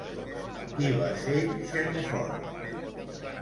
Qui va ser Xenofont?